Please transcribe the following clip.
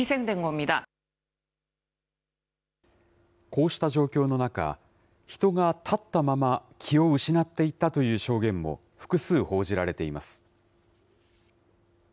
こうした状況の中、人が立ったまま気を失っていったという証言も複数報じられています。